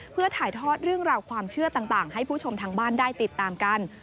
เพื่อถ่ายทอดเรื่องราวความเชื่อต่างให้ผู้ชมทางบ้านได้ติดตามกัน